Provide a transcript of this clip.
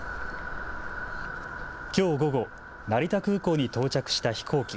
きょう午後、成田空港に到着した飛行機。